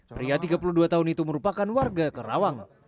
pria tiga puluh dua tahun itu merupakan warga kerawang